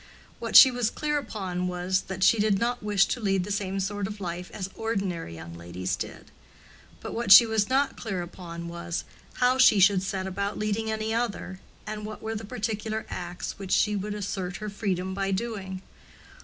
What she was clear upon was, that she did not wish to lead the same sort of life as ordinary young ladies did; but what she was not clear upon was, how she should set about leading any other, and what were the particular acts which she would assert her freedom by doing.